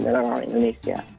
dengan orang indonesia